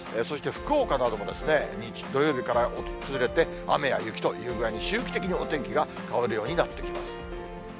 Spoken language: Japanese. そして福岡なども土曜日から崩れて、雨や雪という具合に周期的にお天気が変わるようになってきます。